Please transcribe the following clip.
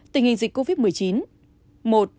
tình hình dịch covid một mươi chín